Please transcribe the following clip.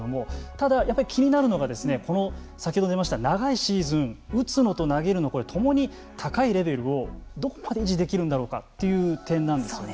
ただやっぱり気になるのがこの先ほど出ました長いシーズン打つのと投げるのこれともに高いレベルをどこまで維持できるんだろうかという点なんですよね。